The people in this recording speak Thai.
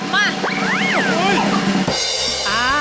มา